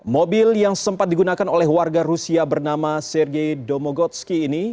mobil yang sempat digunakan oleh warga rusia bernama sergei domogotski ini